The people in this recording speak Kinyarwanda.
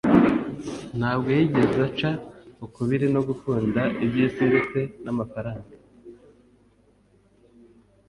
ntabwo yigeze aca ukubiri no gukunda iby’isi ndetse n’amafaranga